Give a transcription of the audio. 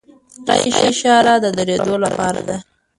سره اشاره د دریدو لپاره ده.